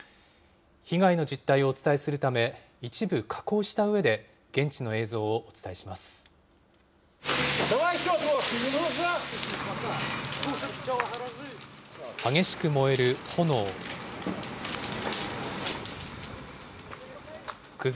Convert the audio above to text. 被害の実態をお伝えするため、一部加工したうえで、現地の映像をお伝えします。